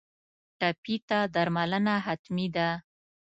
ټپي ته درملنه حتمي ده.